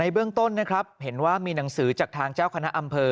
เบื้องต้นนะครับเห็นว่ามีหนังสือจากทางเจ้าคณะอำเภอ